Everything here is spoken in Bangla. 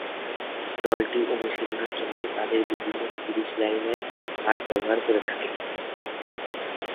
দলটি অনুশীলনের জন্য তাদের বিভিন্ন পুলিশ লাইনের মাঠ ব্যবহার করে থাকে।